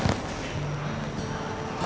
isi untuk dapatkan ide